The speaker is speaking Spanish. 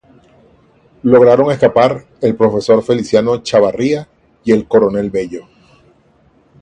Lograron escapar el profesor Feliciano Chavarría y el coronel Bello.